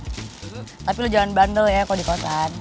tapi jangan bandel ya kalau di kosan